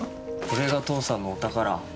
これが父さんのお宝。